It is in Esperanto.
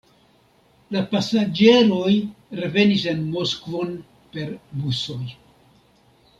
La pasaĝeroj revenis en Moskvon per busoj.